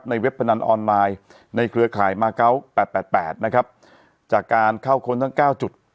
ในเว็บพนันออนไลน์ในเครือข่ายมา๙๘๘๘นะครับจากการเข้าค้นทั้ง๙จุด